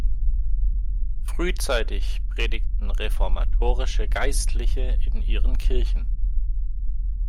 Frühzeitig predigten reformatorische Geistliche in ihren Kirchen.